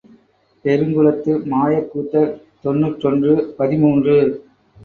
பெருங்குளத்து மாயக் கூத்தர் தொன்னூற்றொன்று பதிமூன்று .